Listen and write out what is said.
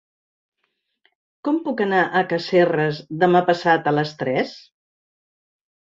Com puc anar a Casserres demà passat a les tres?